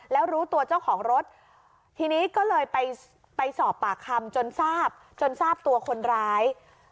แล้วรู้ตัวเจ้าของรถทีนี้ก็เลยไปสอบปากคำจนทราบจนทราบตัวคนร้าย